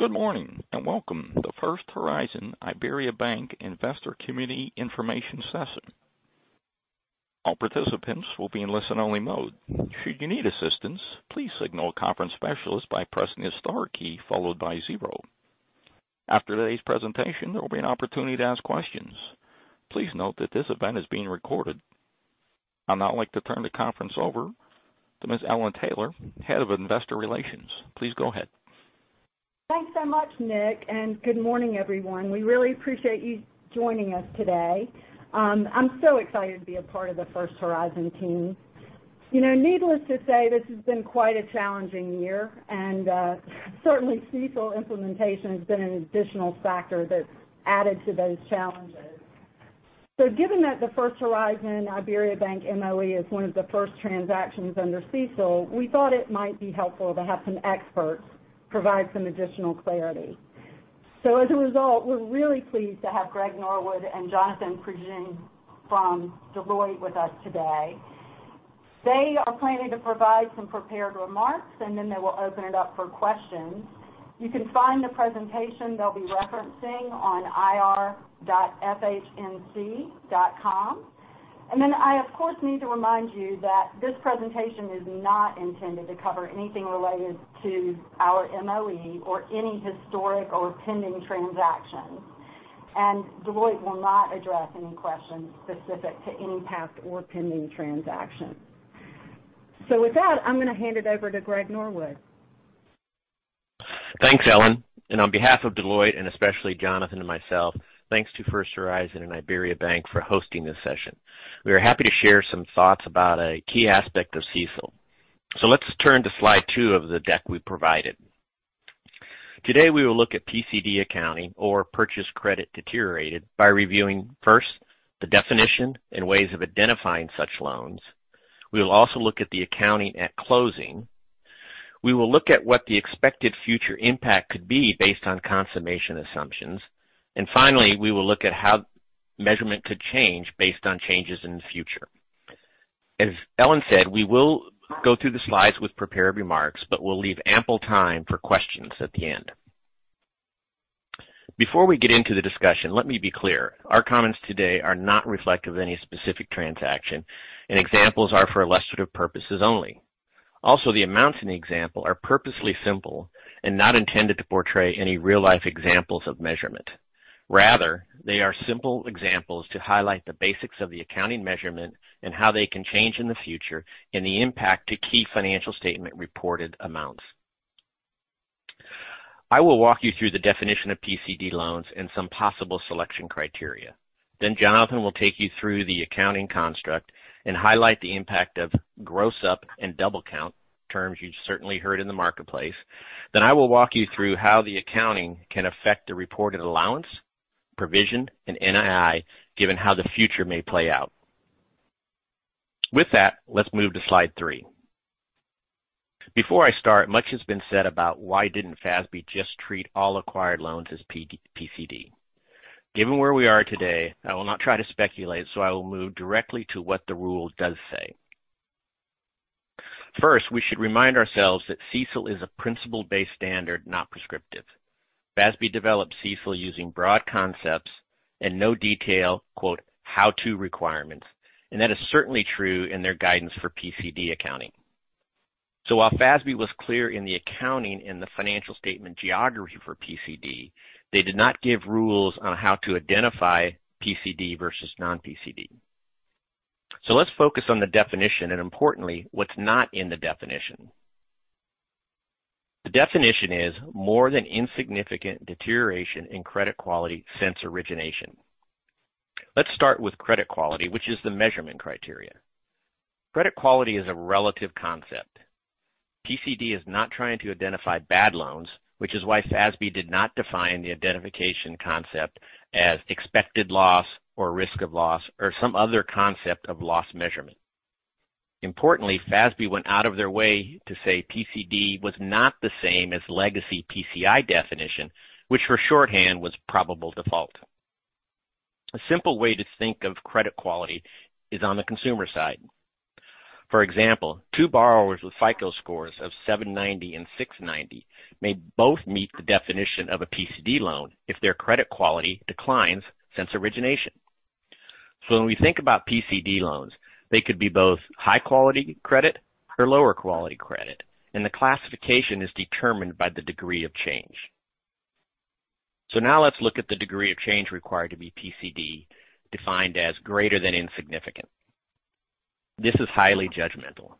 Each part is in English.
Good morning, welcome to First Horizon IBERIABANK Investor Community Information Session. All participants will be in listen-only mode. Should you need assistance, please signal a conference specialist by pressing the star key followed by zero. After today's presentation, there will be an opportunity to ask questions. Please note that this event is being recorded. I'd now like to turn the conference over to Ms. Ellen Taylor, Head of Investor Relations. Please go ahead. Thanks so much, Nick, and good morning, everyone. We really appreciate you joining us today. I'm so excited to be a part of the First Horizon team. Needless to say, this has been quite a challenging year, and certainly CECL implementation has been an additional factor that added to those challenges. Given that the First Horizon IBERIABANK MOE is one of the first transactions under CECL, we thought it might be helpful to have some experts provide some additional clarity. As a result, we're really pleased to have Greg Norwood and Jonathan Prejean from Deloitte with us today. They are planning to provide some prepared remarks and then they will open it up for questions. You can find the presentation they'll be referencing on ir.fhnc.com. I, of course, need to remind you that this presentation is not intended to cover anything related to our MOE or any historic or pending transactions. Deloitte will not address any questions specific to any past or pending transactions. With that, I'm going to hand it over to Greg Norwood. Thanks, Ellen. On behalf of Deloitte, and especially Jonathan and myself, thanks to First Horizon and IBERIABANK for hosting this session. We are happy to share some thoughts about a key aspect of CECL. Let's turn to slide two of the deck we provided. Today, we will look at PCD accounting or purchased credit deteriorated by reviewing first the definition and ways of identifying such loans. We will also look at the accounting at closing. We will look at what the expected future impact could be based on consummation assumptions. Finally, we will look at how measurement could change based on changes in the future. As Ellen said, we will go through the slides with prepared remarks, but we'll leave ample time for questions at the end. Before we get into the discussion, let me be clear, our comments today are not reflective of any specific transaction, and examples are for illustrative purposes only. The amounts in the example are purposely simple and not intended to portray any real-life examples of measurement. They are simple examples to highlight the basics of the accounting measurement and how they can change in the future, and the impact to key financial statement reported amounts. I will walk you through the definition of PCD loans and some possible selection criteria. Jonathan will take you through the accounting construct and highlight the impact of gross-up and double count, terms you've certainly heard in the marketplace. I will walk you through how the accounting can affect the reported allowance, provision, and NII, given how the future may play out. With that, let's move to slide three. Before I start, much has been said about why didn't FASB just treat all acquired loans as PCD. Given where we are today, I will not try to speculate. I will move directly to what the rule does say. First, we should remind ourselves that CECL is a principle-based standard, not prescriptive. FASB developed CECL using broad concepts and no detail, quote, "how-to requirements," and that is certainly true in their guidance for PCD accounting. While FASB was clear in the accounting and the financial statement geography for PCD, they did not give rules on how to identify PCD versus non-PCD. Let's focus on the definition, and importantly, what's not in the definition. The definition is more than insignificant deterioration in credit quality since origination. Let's start with credit quality, which is the measurement criteria. Credit quality is a relative concept. PCD is not trying to identify bad loans, which is why FASB did not define the identification concept as expected loss or risk of loss or some other concept of loss measurement. Importantly, FASB went out of their way to say PCD was not the same as legacy PCI definition, which for shorthand was probable default. A simple way to think of credit quality is on the consumer side. For example, two borrowers with FICO scores of 790 and 690 may both meet the definition of a PCD loan if their credit quality declines since origination. When we think about PCD loans, they could be both high-quality credit or lower quality credit, and the classification is determined by the degree of change. Now let's look at the degree of change required to be PCD, defined as greater than insignificant. This is highly judgmental.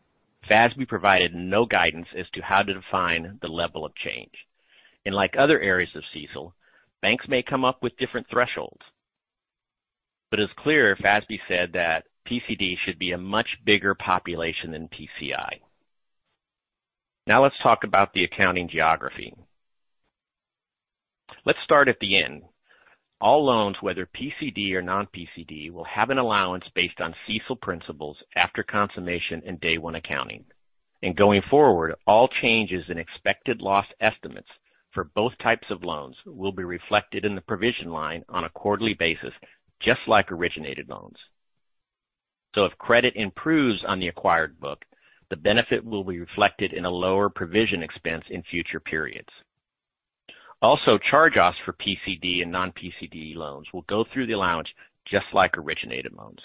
FASB provided no guidance as to how to define the level of change. Like other areas of CECL, banks may come up with different thresholds. It's clear FASB said that PCD should be a much bigger population than PCI. Now let's talk about the accounting geography. Let's start at the end. All loans, whether PCD or non-PCD, will have an allowance based on CECL principles after consummation in day one accounting. Going forward, all changes in expected loss estimates for both types of loans will be reflected in the provision line on a quarterly basis, just like originated loans. If credit improves on the acquired book, the benefit will be reflected in a lower provision expense in future periods. Also, charge-offs for PCD and non-PCD loans will go through the allowance just like originated loans.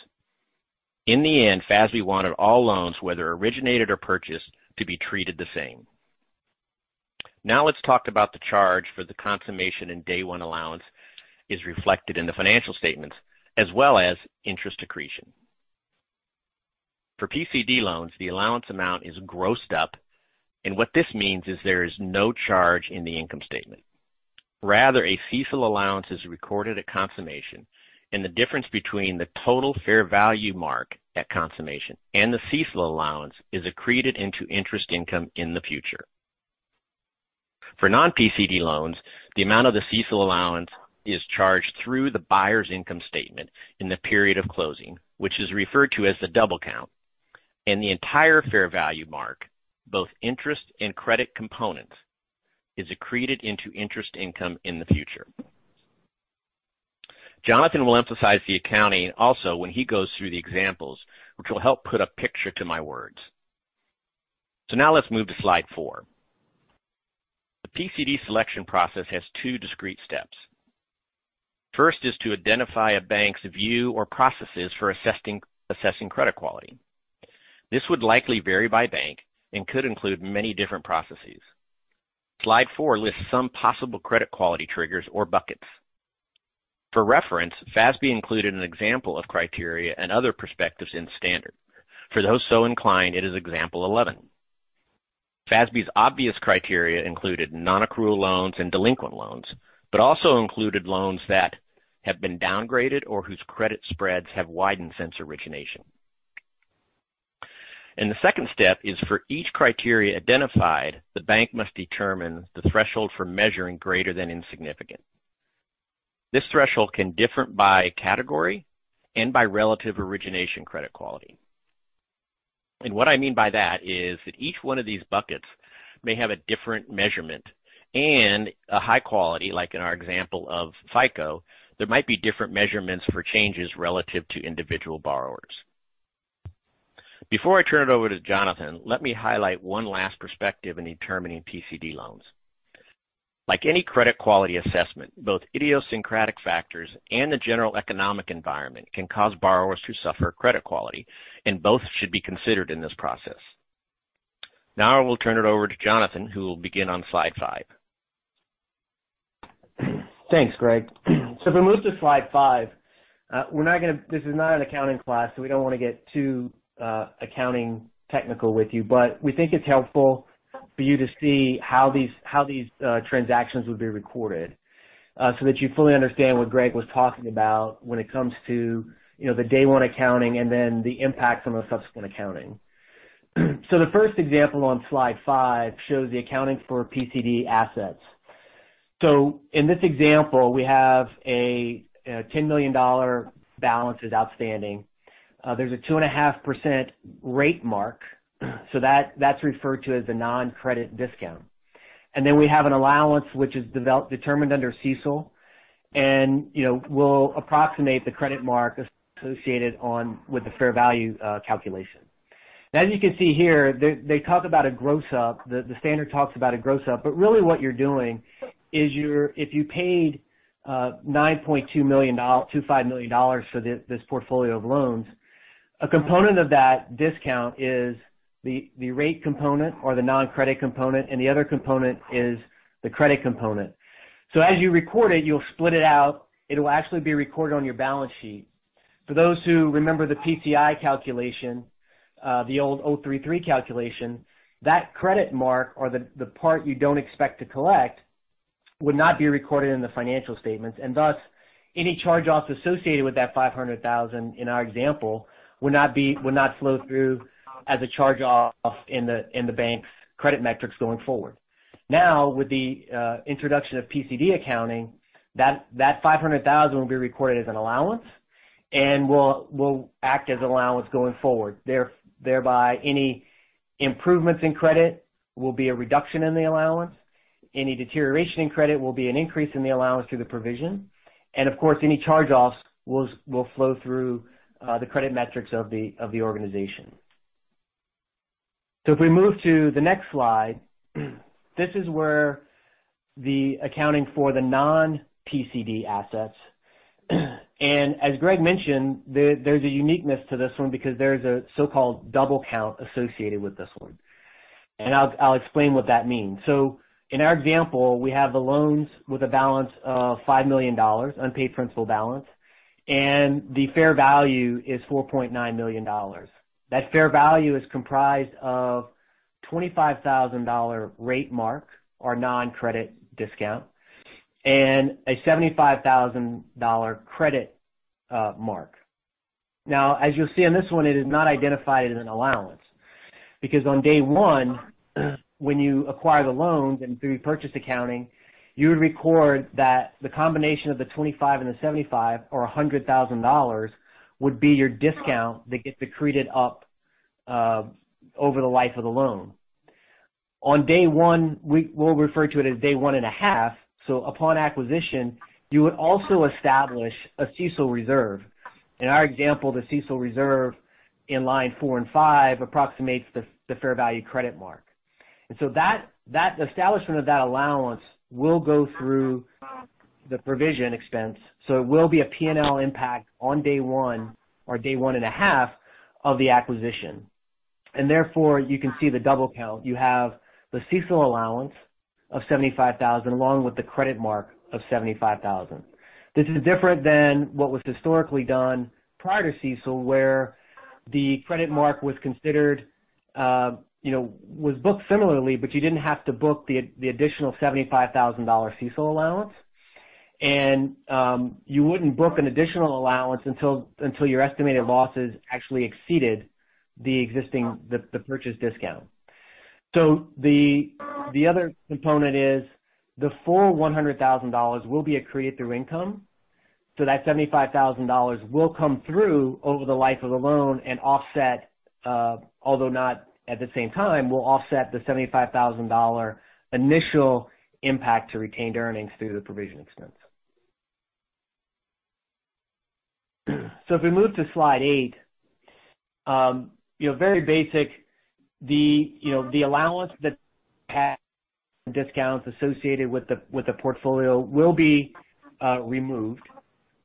In the end, FASB wanted all loans, whether originated or purchased, to be treated the same. Now let's talk about the charge for the consummation and day one allowance is reflected in the financial statements, as well as interest accretion. For PCD loans, the allowance amount is grossed up, and what this means is there is no charge in the income statement. Rather, a CECL allowance is recorded at consummation, and the difference between the total fair value mark at consummation and the CECL allowance is accreted into interest income in the future. For non-PCD loans, the amount of the CECL allowance is charged through the buyer's income statement in the period of closing, which is referred to as the double count, and the entire fair value mark, both interest and credit components, is accreted into interest income in the future. Jonathan will emphasize the accounting also when he goes through the examples, which will help put a picture to my words. Now let's move to slide four. The PCD selection process has two discrete steps. First is to identify a bank's view or processes for assessing credit quality. This would likely vary by bank and could include many different processes. Slide four lists some possible credit quality triggers or buckets. For reference, FASB included an example of criteria and other perspectives in standard. For those so inclined, it is example 11. FASB's obvious criteria included non-accrual loans and delinquent loans, but also included loans that have been downgraded or whose credit spreads have widened since origination. The second step is for each criteria identified, the bank must determine the threshold for measuring greater than insignificant. This threshold can differ by category and by relative origination credit quality. What I mean by that is that each one of these buckets may have a different measurement and a high quality, like in our example of FICO, there might be different measurements for changes relative to individual borrowers. Before I turn it over to Jonathan, let me highlight one last perspective in determining PCD loans. Like any credit quality assessment, both idiosyncratic factors and the general economic environment can cause borrowers to suffer credit quality, and both should be considered in this process. I will turn it over to Jonathan, who will begin on slide five. Thanks, Greg. If we move to slide five, this is not an accounting class, so we don't want to get too accounting technical with you, but we think it's helpful for you to see how these transactions would be recorded, so that you fully understand what Greg was talking about when it comes to the day one accounting and then the impact on the subsequent accounting. The first example on slide five shows the accounting for PCD assets. In this example, we have a $10 million balance is outstanding. There's a 2.5% rate mark, so that's referred to as a non-credit discount. Then we have an allowance, which is determined under CECL and will approximate the credit mark associated on with the fair value calculation. As you can see here, they talk about a gross up, the standard talks about a gross up, really what you're doing is if you paid $9.25 million for this portfolio of loans, a component of that discount is the rate component or the non-credit component, and the other component is the credit component. As you record it, you'll split it out. It'll actually be recorded on your balance sheet. For those who remember the PCI calculation, the old SOP 03-3 calculation, that credit mark or the part you don't expect to collect would not be recorded in the financial statements, thus, any charge-offs associated with that $500,000 in our example, would not flow through as a charge-off in the bank's credit metrics going forward. With the introduction of PCD accounting, that $500,000 will be recorded as an allowance and will act as an allowance going forward, thereby any improvements in credit will be a reduction in the allowance. Any deterioration in credit will be an increase in the allowance through the provision. Of course, any charge-offs will flow through the credit metrics of the organization. If we move to the next slide, this is where the accounting for the non-PCD assets. As Greg mentioned, there's a uniqueness to this one because there's a so-called double count associated with this one, and I'll explain what that means. In our example, we have the loans with a balance of $5 million, unpaid principal balance, and the fair value is $4.9 million. That fair value is comprised of $25,000 rate mark or non-credit discount and a $75,000 credit mark. As you'll see on this one, it is not identified as an allowance, because on day one, when you acquire the loans and through purchase accounting, you would record that the combination of the $25,000 and the $75,000 or $100,000 would be your discount that gets accreted up over the life of the loan. On day one, we'll refer to it as day one and a half. Upon acquisition, you would also establish a CECL reserve. In our example, the CECL reserve in line four and five approximates the fair value credit mark. The establishment of that allowance will go through the provision expense, so it will be a P&L impact on day one or day one and a half of the acquisition. You can see the double count. You have the CECL allowance of $75,000, along with the credit mark of $75,000. This is different than what was historically done prior to CECL, where the credit mark was booked similarly, but you didn't have to book the additional $75,000 CECL allowance. You wouldn't book an additional allowance until your estimated losses actually exceeded the purchase discount. The other component is the full $100,000 will be accreted through income, so that $75,000 will come through over the life of the loan and, although not at the same time, will offset the $75,000 initial impact to retained earnings through the provision expense. If we move to slide eight, very basic, the allowance that had discounts associated with the portfolio will be removed.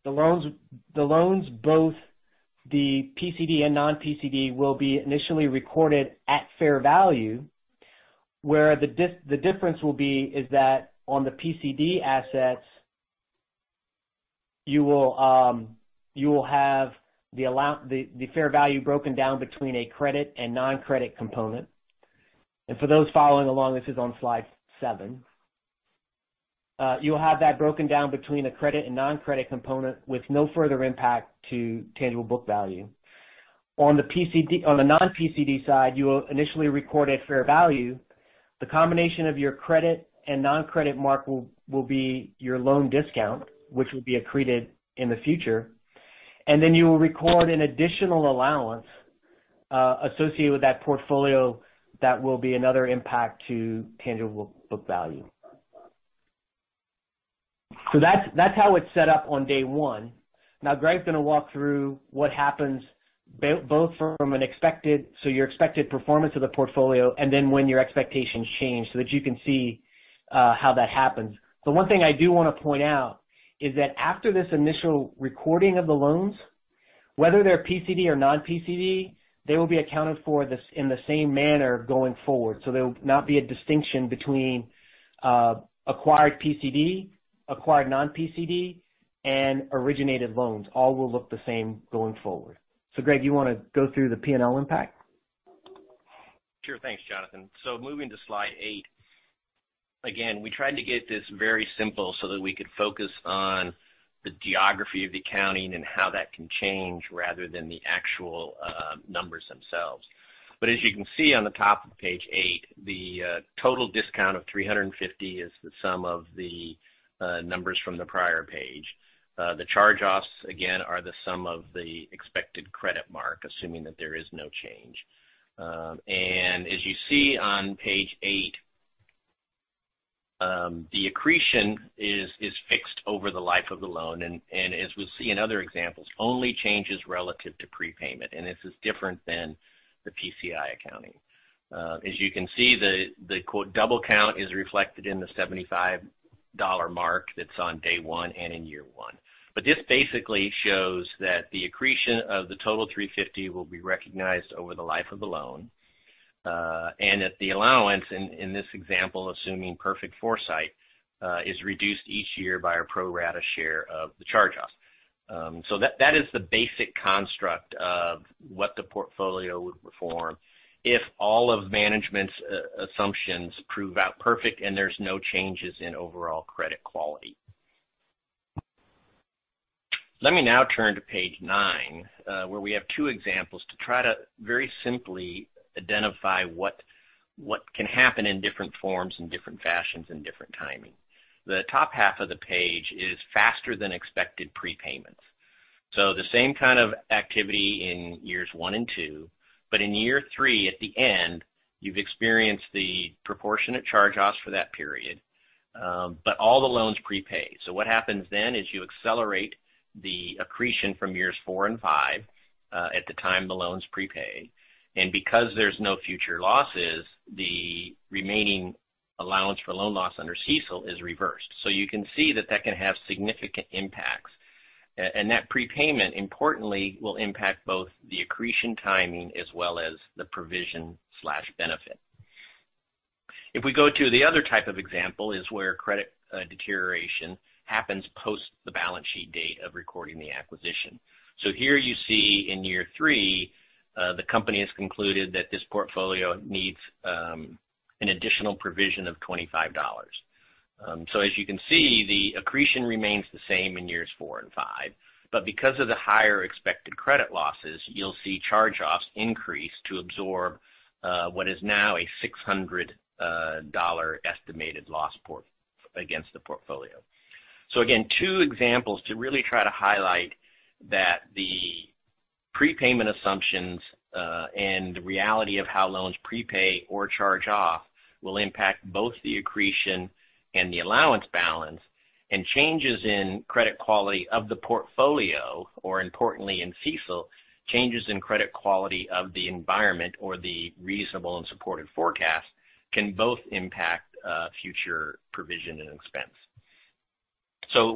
The loans, both the PCD and non-PCD, will be initially recorded at fair value, where the difference will be is that on the PCD assets, you will have the fair value broken down between a credit and non-credit component. For those following along, this is on slide seven. You'll have that broken down between a credit and non-credit component with no further impact to tangible book value. On the non-PCD side, you will initially record at fair value. The combination of your credit and non-credit mark will be your loan discount, which will be accreted in the future, and then you will record an additional allowance, associated with that portfolio. That will be another impact to tangible book value. That's how it's set up on day one. Greg's going to walk through what happens both from your expected performance of the portfolio and then when your expectations change so that you can see how that happens. The one thing I do want to point out is that after this initial recording of the loans, whether they're PCD or non-PCD, they will be accounted for in the same manner going forward. There will not be a distinction between acquired PCD, acquired non-PCD, and originated loans. All will look the same going forward. Greg, you want to go through the P&L impact? Sure. Thanks, Jonathan. Moving to slide eight. Again, we tried to get this very simple so that we could focus on the geography of the accounting and how that can change rather than the actual numbers themselves. As you can see on the top of page eight, the total discount of $350 is the sum of the numbers from the prior page. The charge-offs, again, are the sum of the expected credit mark, assuming that there is no change. As you see on page eight, the accretion is fixed over the life of the loan, and as we see in other examples, only changes relative to prepayment, and this is different than the PCI accounting. As you can see, the quote double count is reflected in the $75 mark that's on day one and in year one. This basically shows that the accretion of the total 350 will be recognized over the life of the loan, and that the allowance, in this example, assuming perfect foresight, is reduced each year by a pro rata share of the charge-off. That is the basic construct of what the portfolio would perform if all of management's assumptions prove out perfect and there's no changes in overall credit quality. Let me now turn to page nine, where we have two examples to try to very simply identify what can happen in different forms and different fashions and different timing. The top half of the page is faster than expected prepayments. The same kind of activity in years one and two, but in year three, at the end, you've experienced the proportionate charge-offs for that period, but all the loans prepay. What happens then is you accelerate the accretion from years four and five at the time the loans prepay. Because there's no future losses, the remaining allowance for loan loss under CECL is reversed. You can see that that can have significant impacts, and that prepayment, importantly, will impact both the accretion timing as well as the provision/benefit. If we go to the other type of example, is where credit deterioration happens post the balance sheet date of recording the acquisition. Here you see in year three, the company has concluded that this portfolio needs an additional provision of $25. As you can see, the accretion remains the same in years four and five, but because of the higher expected credit losses, you'll see charge-offs increase to absorb what is now a $600 estimated loss against the portfolio. Again, two examples to really try to highlight that the prepayment assumptions, and the reality of how loans prepay or charge off will impact both the accretion and the allowance balance, and changes in credit quality of the portfolio, or importantly in CECL, changes in credit quality of the environment or the reasonable and supported forecast can both impact future provision and expense.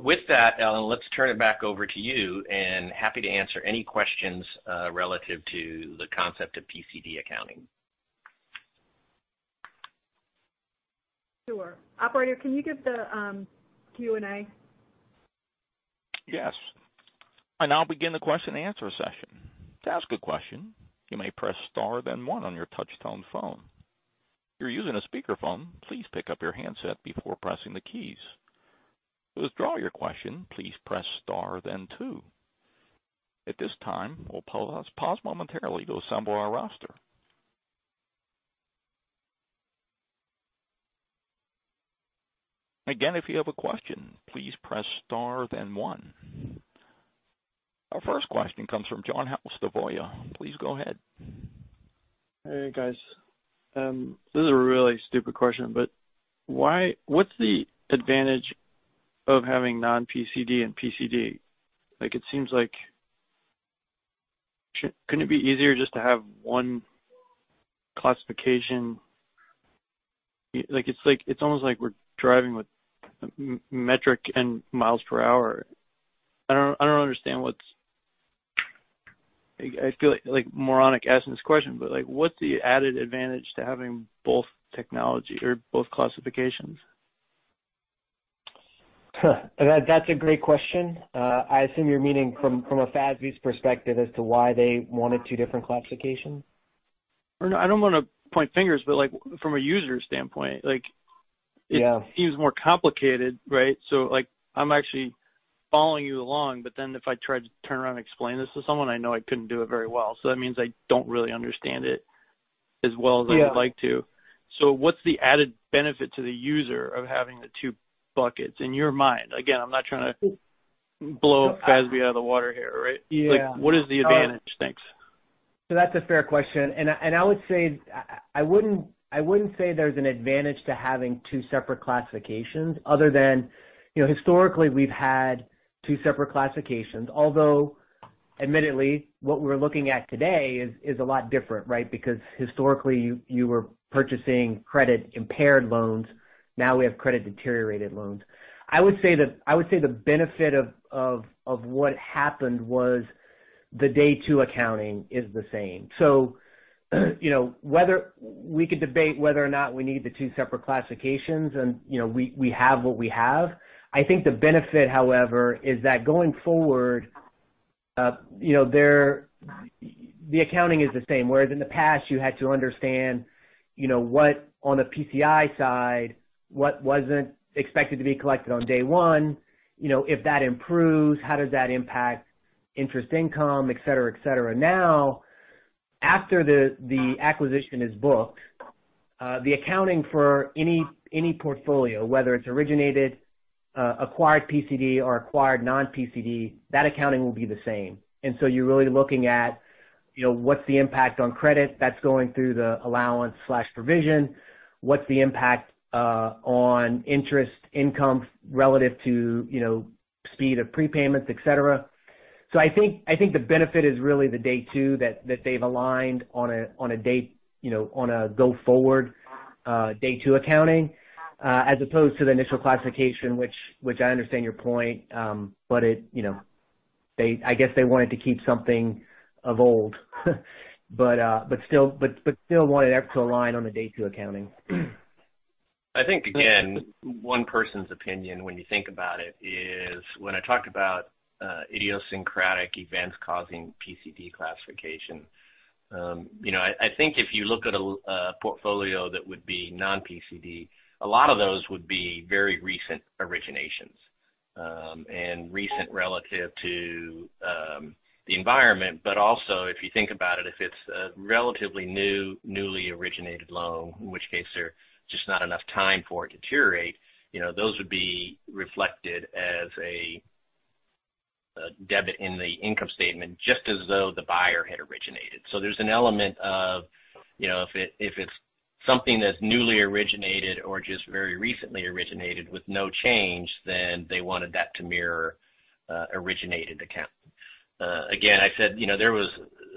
With that, Ellen, let's turn it back over to you, and happy to answer any questions relative to the concept of PCD accounting. Sure. Operator, can you give the Q&A? Yes. I now begin the question and answer session. To ask a question, you may press star then one on your touch-tone phone. If you're using a speakerphone, please pick up your handset before pressing the keys. To withdraw your question, please press star then two. At this time, we'll pause momentarily to assemble our roster. Again, if you have a question, please press star then one. Our first question comes from John Helfst, Voya. Please go ahead. Hey, guys. This is a really stupid question, but what's the advantage of having non-PCD and PCD? It seems like, couldn't it be easier just to have one classification? It's almost like we're driving with metric and miles per hour. I don't understand. I feel moronic asking this question, but what's the added advantage to having both technology or both classifications? That's a great question. I assume you're meaning from a FASB's perspective as to why they wanted two different classifications. I don't want to point fingers, but from a user standpoint. Yeah It seems more complicated, right? I'm actually following you along, if I tried to turn around and explain this to someone, I know I couldn't do it very well. That means I don't really understand it as well as I would like to. Yeah. What's the added benefit to the user of having the two buckets in your mind? Again, I'm not trying to blow FASB out of the water here, right? Yeah. What is the advantage? Thanks. That's a fair question. And I would say, I wouldn't say there's an advantage to having two separate classifications other than historically we've had two separate classifications. Although admittedly, what we're looking at today is a lot different, right? Because historically, you were purchasing credit-impaired loans. Now we have credit-deteriorated loans. I would say the benefit of what happened was the day two accounting is the same. We could debate whether or not we need the two separate classifications, and we have what we have. I think the benefit, however, is that going forward, the accounting is the same, whereas in the past, you had to understand, on the PCI side, what wasn't expected to be collected on day one. If that improves, how does that impact interest income, et cetera. Now, after the acquisition is booked, the accounting for any portfolio, whether it's originated, acquired PCD, or acquired non-PCD, that accounting will be the same. You're really looking at what's the impact on credit that's going through the allowance/provision, what's the impact on interest income relative to speed of prepayments, et cetera. I think the benefit is really the day two that they've aligned on a go-forward day two accounting, as opposed to the initial classification, which I understand your point. I guess they wanted to keep something of old. Still wanted that to align on the day two accounting. I think, again, one person's opinion when you think about it is when I talk about idiosyncratic events causing PCD classification, I think if you look at a portfolio that would be non-PCD, a lot of those would be very recent originations, and recent relative to the environment. Also, if you think about it, if it's a relatively newly originated loan, in which case there's just not enough time for it to deteriorate, those would be reflected as a debit in the income statement, just as though the buyer had originated. There's an element of, if it's something that's newly originated or just very recently originated with no change, then they wanted that to mirror originated account. Again, I said there was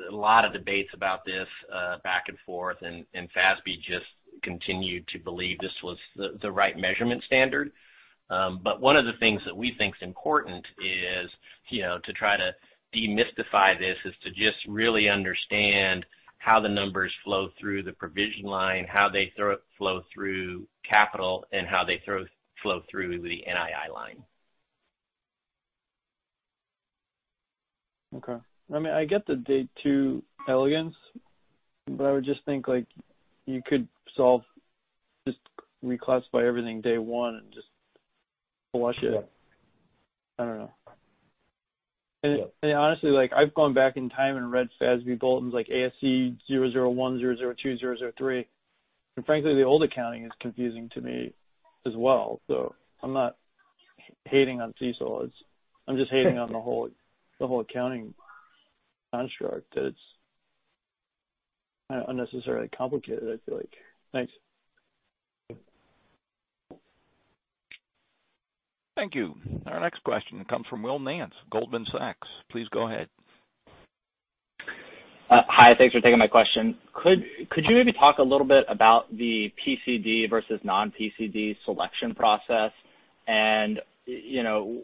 a lot of debates about this back and forth, FASB just continued to believe this was the right measurement standard. One of the things that we think is important is to try to demystify this, is to just really understand how the numbers flow through the provision line, how they flow through capital, and how they flow through the NII line. Okay. I get the day two elegance, but I would just think you could solve, just reclassify everything day one and just flush it. Yeah. I don't know. Yeah. Honestly, I've gone back in time and read FASB bulletins like ASC 001, 002, 003, and frankly, the old accounting is confusing to me as well. hating on CECL. I'm just hating on the whole accounting construct that it's unnecessarily complicated, I feel like. Thanks. Thank you. Our next question comes from Will Nance, Goldman Sachs. Please go ahead. Hi. Thanks for taking my question. Could you maybe talk a little bit about the PCD versus non-PCD selection process and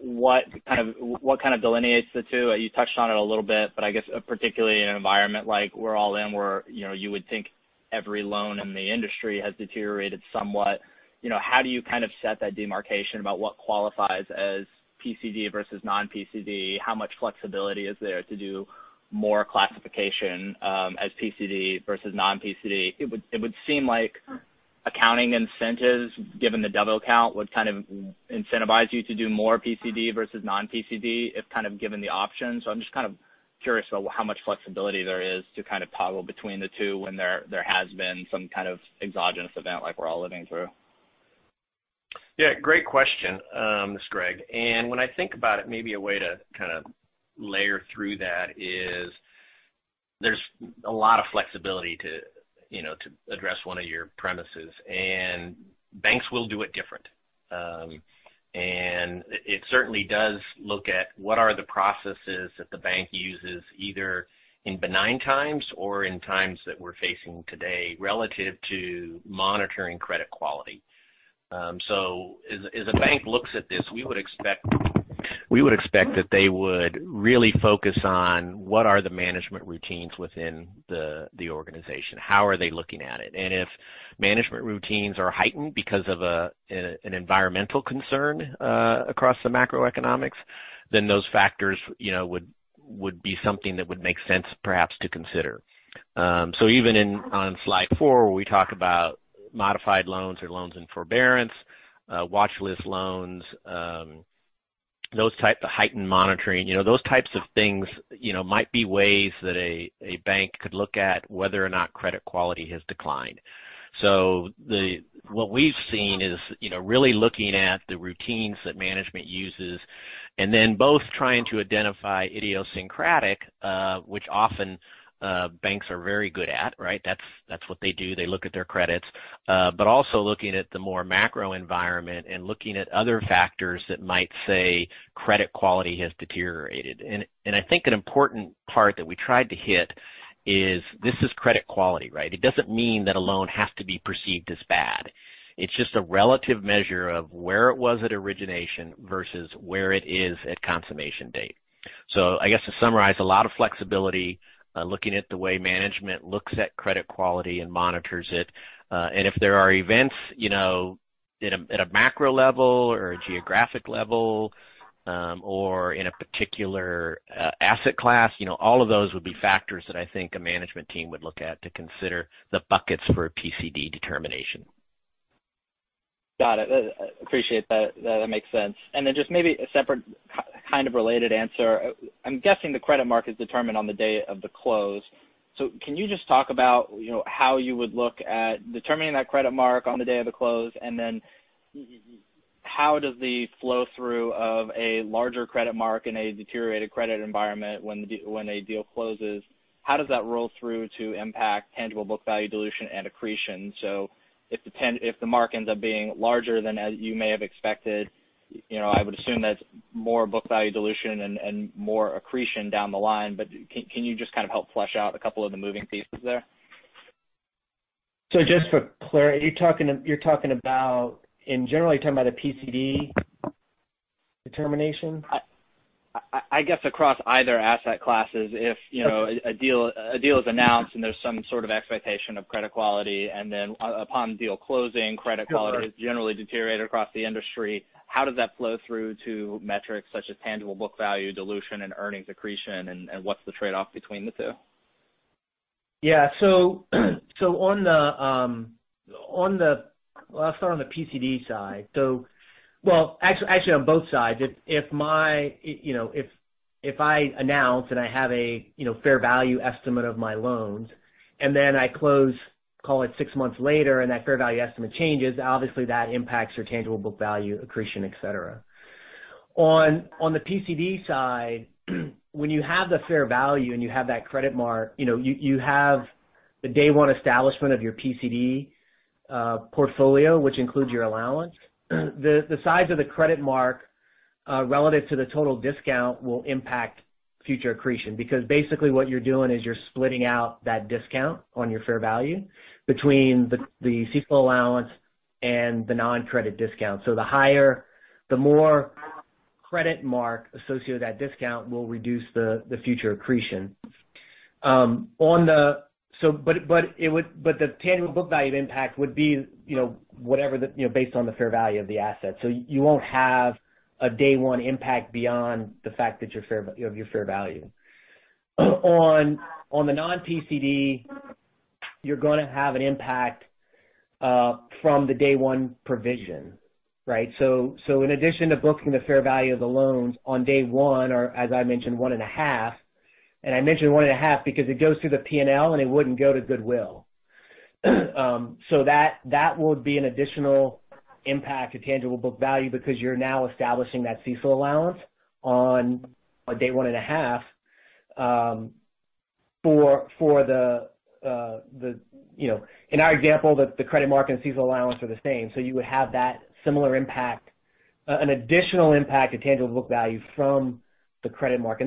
what kind of delineates the two? You touched on it a little bit, but I guess particularly in an environment like we're all in, where you would think every loan in the industry has deteriorated somewhat. How do you set that demarcation about what qualifies as PCD versus non-PCD? How much flexibility is there to do more classification as PCD versus non-PCD? It would seem like accounting incentives, given the double count, would kind of incentivize you to do more PCD versus non-PCD if given the option. I'm just kind of curious about how much flexibility there is to kind of toggle between the two when there has been some kind of exogenous event like we're all living through. Yeah, great question, this is Greg Norwood. When I think about it, maybe a way to kind of layer through that is there's a lot of flexibility to address one of your premises, and banks will do it different. It certainly does look at what are the processes that the bank uses either in benign times or in times that we're facing today relative to monitoring credit quality. As a bank looks at this, we would expect that they would really focus on what are the management routines within the organization. How are they looking at it? If management routines are heightened because of an environmental concern across the macroeconomics, those factors would be something that would make sense perhaps to consider. Even on slide four, where we talk about modified loans or loans in forbearance, watch list loans, those types of heightened monitoring, those types of things might be ways that a bank could look at whether or not credit quality has declined. What we've seen is really looking at the routines that management uses and then both trying to identify idiosyncratic, which often banks are very good at, right? That's what they do. They look at their credits. Also looking at the more macro environment and looking at other factors that might say credit quality has deteriorated. I think an important part that we tried to hit is this is credit quality, right? It doesn't mean that a loan has to be perceived as bad. It's just a relative measure of where it was at origination versus where it is at consummation date. I guess to summarize, a lot of flexibility, looking at the way management looks at credit quality and monitors it. If there are events at a macro level or a geographic level, or in a particular asset class, all of those would be factors that I think a management team would look at to consider the buckets for a PCD determination. Got it. Appreciate that. That makes sense. Just maybe a separate kind of related answer. I'm guessing the credit mark is determined on the day of the close. Can you just talk about how you would look at determining that credit mark on the day of the close, and then how does the flow-through of a larger credit mark in a deteriorated credit environment when a deal closes, how does that roll through to impact tangible book value dilution and accretion? If the mark ends up being larger than you may have expected, I would assume that's more book value dilution and more accretion down the line. Can you just kind of help flesh out a couple of the moving pieces there? Just for clarity, you're talking about in general, are you talking about a PCD determination? I guess across either asset classes, if a deal is announced and there's some sort of expectation of credit quality. Upon deal closing, credit quality is generally deteriorated across the industry. How does that flow through to metrics such as tangible book value dilution and earnings accretion, and what's the trade-off between the two? Yeah. I'll start on the PCD side. Well, actually on both sides. If I announce and I have a fair value estimate of my loans, and then I close, call it 6 months later, and that fair value estimate changes, obviously that impacts your tangible book value, accretion, et cetera. On the PCD side, when you have the fair value and you have that credit mark, you have the day one establishment of your PCD portfolio, which includes your allowance. The size of the credit mark relative to the total discount will impact future accretion. Because basically what you're doing is you're splitting out that discount on your fair value between the CECL allowance and the non-credit discount. The more credit mark associated with that discount will reduce the future accretion. The tangible book value impact would be based on the fair value of the asset. You won't have a day one impact beyond the fact that you have your fair value. On the non-PCD, you're going to have an impact from the day one provision, right? In addition to booking the fair value of the loans on day one, or as I mentioned, one and a half. I mentioned one and a half because it goes through the P&L, and it wouldn't go to goodwill. So that would be an additional impact to tangible book value because you're now establishing that CECL allowance on day one and a half. In our example, the credit mark and CECL allowance are the same, so you would have that similar impact, an additional impact to tangible book value from the credit mark.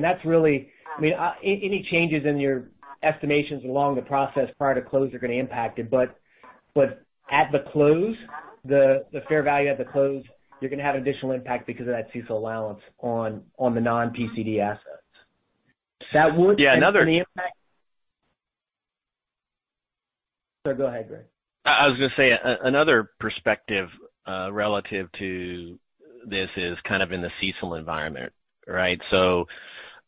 Any changes in your estimations along the process prior to close are going to impact it. At the close, the fair value at the close, you're going to have additional impact because of that CECL allowance on the non-PCD assets. Yeah. Any impact. Sorry, go ahead, Greg. I was going to say, another perspective relative to this is kind of in the CECL environment, right?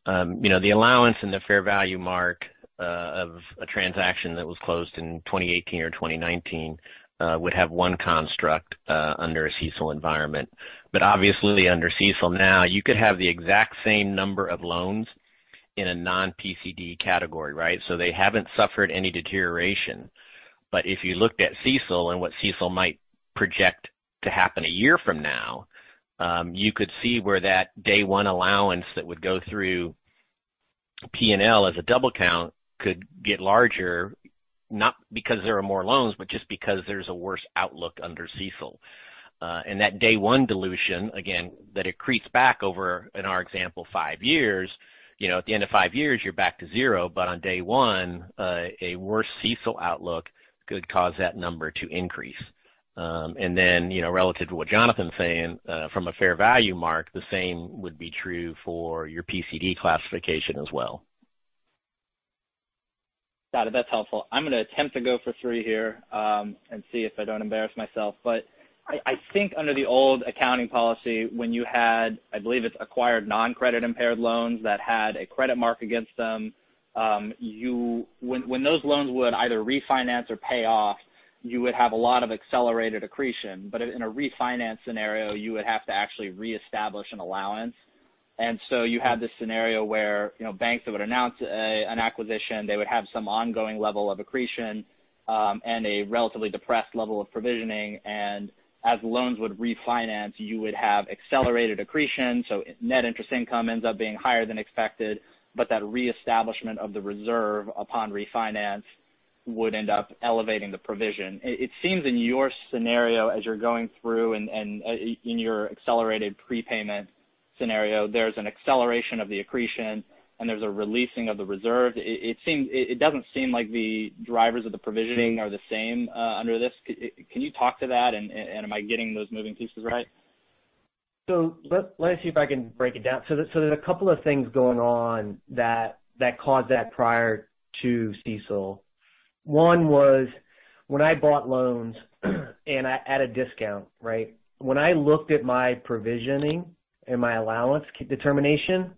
The allowance and the fair value mark of a transaction that was closed in 2018 or 2019 would have one construct under a CECL environment. Obviously under CECL now, you could have the exact same number of loans in a non-PCD category, right? They haven't suffered any deterioration. If you looked at CECL and what CECL might project to happen a year from now, you could see where that day one allowance that would go through P&L as a double count could get larger, not because there are more loans, but just because there's a worse outlook under CECL. That day one dilution, again, that it creeps back over, in our example, five years. At the end of five years, you're back to zero. On day one, a worse CECL outlook could cause that number to increase. Relative to what Jonathan's saying, from a fair value mark, the same would be true for your PCD classification as well. Got it. That's helpful. I'm going to attempt to go for three here, and see if I don't embarrass myself. I think under the old accounting policy, when you had, I believe it's acquired non-credit impaired loans that had a credit mark against them, when those loans would either refinance or pay off, you would have a lot of accelerated accretion. In a refinance scenario, you would have to actually reestablish an allowance. You had this scenario where banks that would announce an acquisition, they would have some ongoing level of accretion, and a relatively depressed level of provisioning. As loans would refinance, you would have accelerated accretion. Net interest income ends up being higher than expected, but that reestablishment of the reserve upon refinance would end up elevating the provision. It seems in your scenario, as you're going through and in your accelerated prepayment scenario, there's an acceleration of the accretion and there's a releasing of the reserve. It doesn't seem like the drivers of the provisioning are the same under this. Can you talk to that, and am I getting those moving pieces right? Let me see if I can break it down. There's a couple of things going on that caused that prior to CECL. One was when I bought loans, and at a discount, right? When I looked at my provisioning and my allowance determination,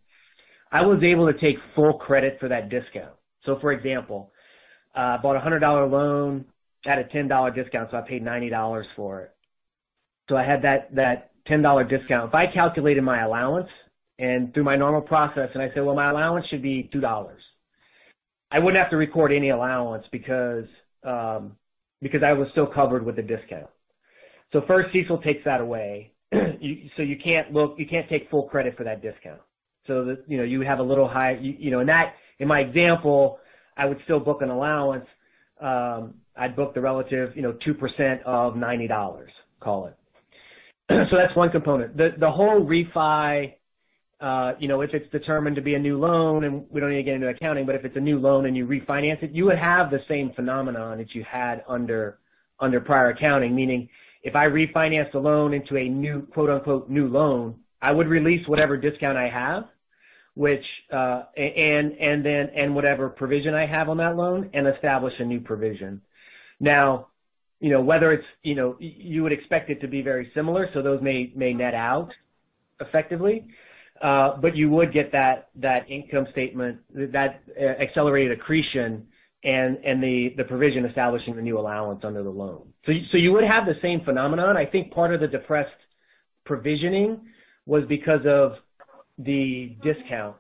I was able to take full credit for that discount. For example, I bought a $100 loan at a $10 discount, so I paid $90 for it. I had that $10 discount. If I calculated my allowance and through my normal process and I said, "Well, my allowance should be $2," I wouldn't have to record any allowance because I was still covered with a discount. First, CECL takes that away. You can't take full credit for that discount. In my example, I would still book an allowance. I'd book the relative 2% of $90, call it. That's one component. The whole refi, if it's determined to be a new loan, and we don't need to get into accounting, but if it's a new loan and you refinance it, you would have the same phenomenon that you had under prior accounting. Meaning, if I refinanced a loan into a new, quote unquote, "new loan," I would release whatever discount I have, and whatever provision I have on that loan, and establish a new provision. Now, you would expect it to be very similar, so those may net out effectively. You would get that income statement, that accelerated accretion and the provision establishing the new allowance under the loan. You would have the same phenomenon. I think part of the depressed provisioning was because of the discount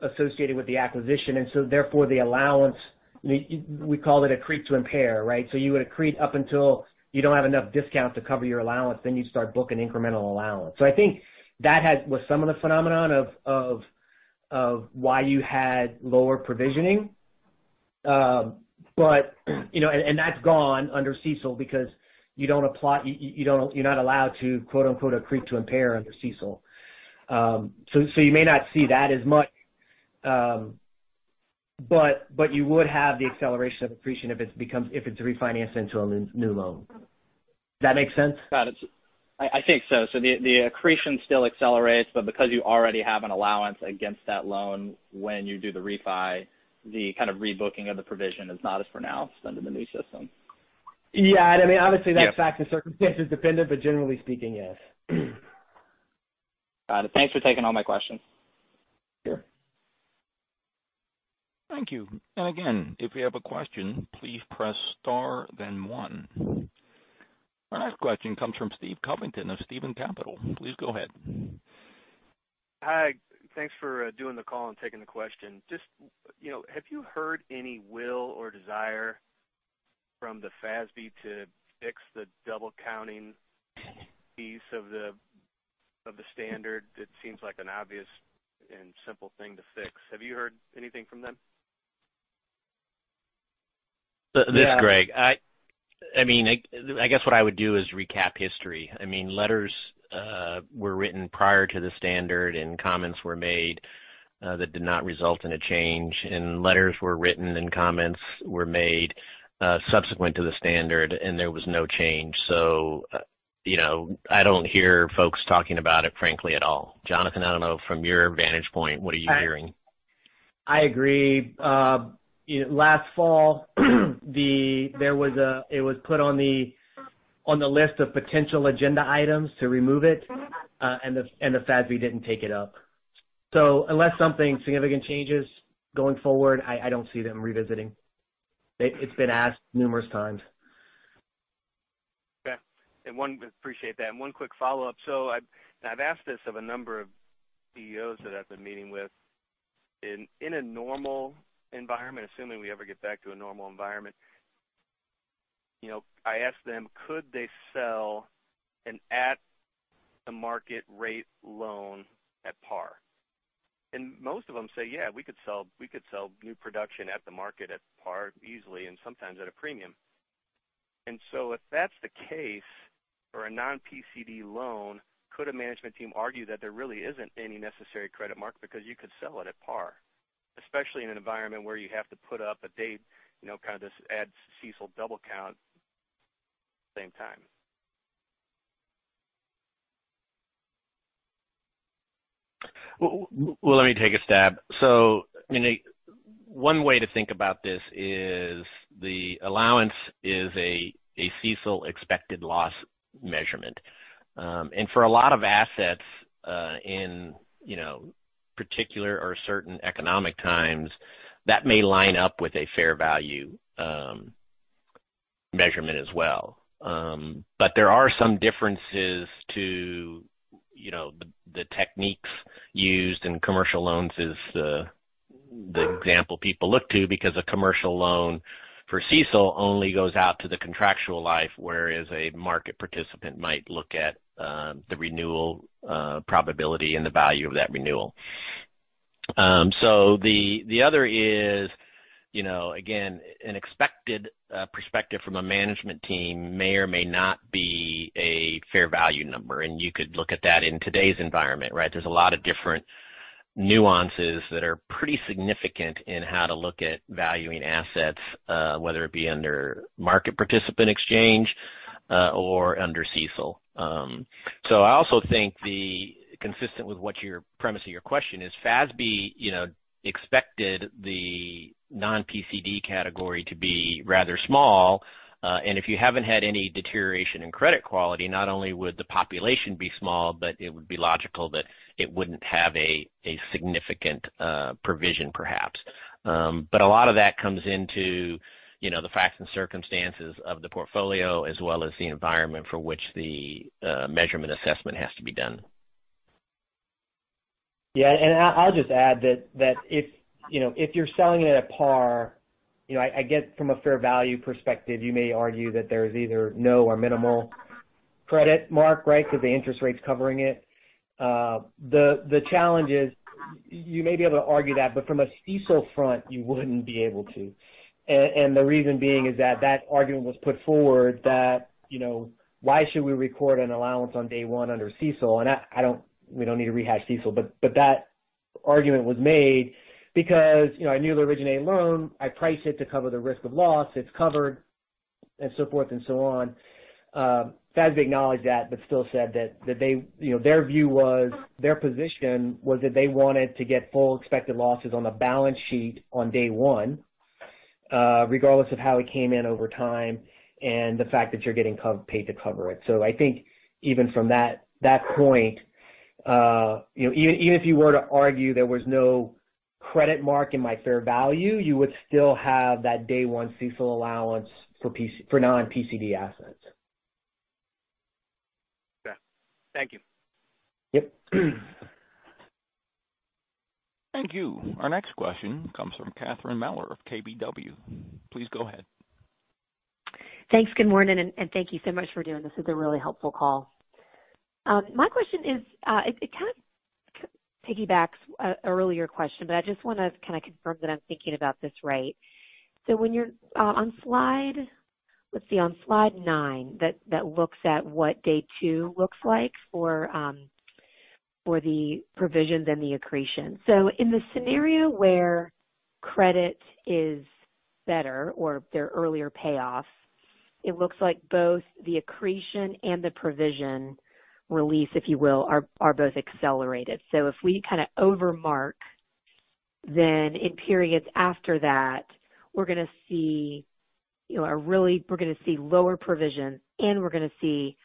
associated with the acquisition, and so therefore, the allowance, we called it accrete to impair, right? You would accrete up until you don't have enough discount to cover your allowance, then you'd start booking incremental allowance. I think that was some of the phenomenon of why you had lower provisioning. That's gone under CECL because you're not allowed to, quote unquote, "accrete to impair" under CECL. You may not see that as much. You would have the acceleration of accretion if it's refinanced into a new loan. Does that make sense? Got it. I think so. The accretion still accelerates, but because you already have an allowance against that loan when you do the refi, the kind of rebooking of the provision is not as pronounced under the new system. Yeah. I mean, obviously that's fact and circumstances dependent, but generally speaking, yes. Got it. Thanks for taking all my questions. Sure. Thank you. Again, if you have a question, please press star then one. Next question comes from Steve Covington of Stieven Capital. Please go ahead. Hi. Thanks for doing the call and taking the question. Have you heard any will or desire from the FASB to fix the double counting piece of the standard? That seems like an obvious and simple thing to fix. Have you heard anything from them? This is Greg. I guess what I would do is recap history. Letters were written prior to the standard, and comments were made that did not result in a change, and letters were written and comments were made subsequent to the standard, and there was no change. I don't hear folks talking about it, frankly, at all. Jonathan, I don't know. From your vantage point, what are you hearing? I agree. Last fall, it was put on the list of potential agenda items to remove it, and the FASB didn't take it up. Unless something significant changes going forward, I don't see them revisiting. It's been asked numerous times. Okay. Appreciate that. One quick follow-up. I've asked this of a number of CEOs that I've been meeting with. In a normal environment, assuming we ever get back to a normal environment, I ask them, could they sell an at-the-market rate loan at par? Most of them say, "Yeah, we could sell new production at the market at par easily, and sometimes at a premium." If that's the case for a non-PCD loan, could a management team argue that there really isn't any necessary credit mark because you could sell it at par, especially in an environment where you have to put up a date, kind of this add CECL double count same time? Well, let me take a stab. One way to think about this is the allowance is a CECL expected loss measurement. For a lot of assets in particular or certain economic times, that may line up with a fair value measurement as well. There are some differences to the techniques used in commercial loans is the example people look to because a commercial loan for CECL only goes out to the contractual life, whereas a market participant might look at the renewal probability and the value of that renewal. The other is, again, an expected perspective from a management team may or may not be a fair value number, and you could look at that in today's environment, right? There's a lot of different nuances that are pretty significant in how to look at valuing assets, whether it be under market participant exchange or under CECL. I also think consistent with what your premise of your question is, FASB expected the non-PCD category to be rather small. If you haven't had any deterioration in credit quality, not only would the population be small, but it would be logical that it wouldn't have a significant provision, perhaps. A lot of that comes into the facts and circumstances of the portfolio as well as the environment for which the measurement assessment has to be done. Yeah. I'll just add that if you're selling it at par, I get from a fair value perspective, you may argue that there's either no or minimal credit mark, right? Because the interest rate's covering it. The challenge is you may be able to argue that, but from a CECL front, you wouldn't be able to. The reason being is that that argument was put forward that why should we record an allowance on day one under CECL? We don't need to rehash CECL, but that argument was made because a newly originated loan, I priced it to cover the risk of loss, it's covered, and so forth and so on. FASB acknowledged that, still said that their position was that they wanted to get full expected losses on the balance sheet on day one, regardless of how it came in over time and the fact that you're getting paid to cover it. I think even from that point, even if you were to argue there was no credit mark in my fair value, you would still have that day one CECL allowance for non-PCD assets. Okay. Thank you. Yep. Thank you. Our next question comes from Catherine Mealor of KBW. Please go ahead. Thanks. Good morning, thank you so much for doing this. It's a really helpful call. My question is, it kind of piggybacks a earlier question, but I just want to kind of confirm that I'm thinking about this right. When you're on slide nine, that looks at what day two looks like for the provision, then the accretion. In the scenario where credit is better or there are earlier payoffs, it looks like both the accretion and the provision release, if you will, are both accelerated. If we kind of over-mark, then in periods after that, we're going to see lower provision, and we're going to see